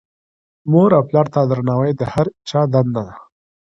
مور او پلار ته درناوی د هر چا دنده ده.